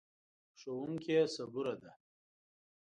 ښوونکې صبوره ده.